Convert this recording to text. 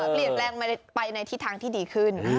เปลี่ยนแปลงไปในทิศทางที่ดีขึ้น